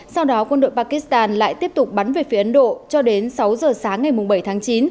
sau đó quân đội pakistan lại tiếp tục bắn về phía ấn độ cho đến sáu giờ sáng ngày bảy tháng chín